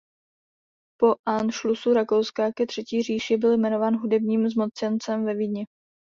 Po anšlusu Rakouska ke Třetí říši byl jmenován hudebním zmocněncem ve Vídni.